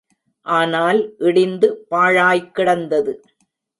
ஆனால் இடிந்து பாழாய் கிடந்தது.